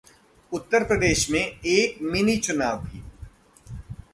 उत्तर प्रदेश में एक मिनी चुनाव भी?